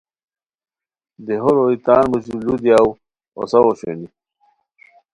دیہو روئے تان موژی لو دیا ؤ اوساؤ اوشونی